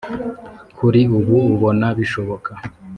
Kuri ubu ubona bishoboka